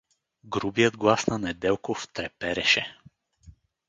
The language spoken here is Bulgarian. Грубият глас на Неделков трепереше.